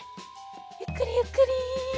ゆっくりゆっくり。